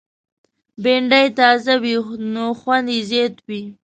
بېنډۍ تازه وي، نو خوند یې زیات وي